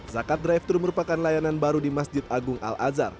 zakat drive thru merupakan layanan baru di masjid agung al azhar